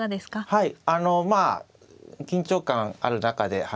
はい。